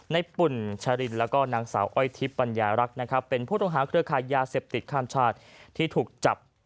ปุ่นชารินแล้วก็นางสาวอ้อยทิพย์ปัญญารักษ์นะครับเป็นผู้ต้องหาเครือขายยาเสพติดข้ามชาติที่ถูกจับ